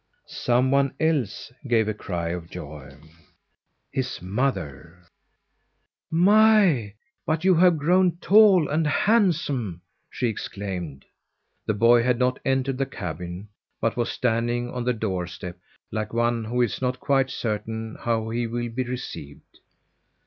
Some one else gave a cry of joy his mother! "My, but you have grown tall and handsome!" she exclaimed. The boy had not entered the cabin, but was standing on the doorstep, like one who is not quite certain how he will be received.